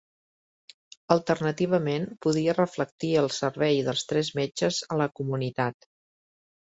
Alternativament, podia reflectir el servei dels tres metges a la comunitat.